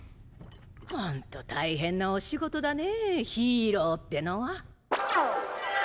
ホント大変なお仕事だねぇヒーローってのは。